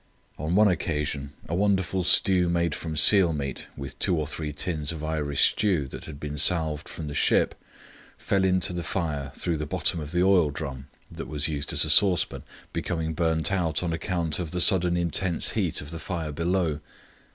On one occasion a wonderful stew made from seal meat, with two or three tins of Irish stew that had been salved from the ship, fell into the fire through the bottom of the oil drum that we used as a saucepan becoming burnt out on account of the sudden intense heat of the fire below.